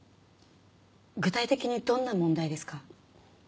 具体的にどんな問題ですか？